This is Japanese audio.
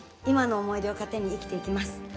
今の思い出を糧に生きていきます。